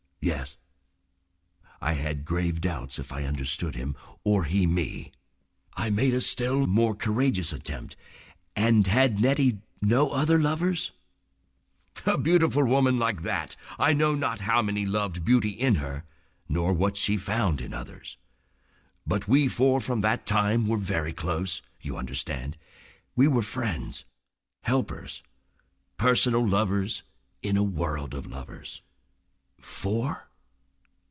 "Yes." I had grave doubts if I understood him. Or he me. I made a still more courageous attempt. "And had Nettie no other lovers?" "A beautiful woman like that! I know not how many loved beauty in her, nor what she found in others. But we four from that time were very close, you understand, we were friends, helpers, personal lovers in a world of lovers." "Four?"